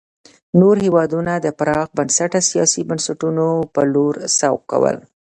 نور هېوادونه د پراخ بنسټه سیاسي بنسټونو په لور سوق کول.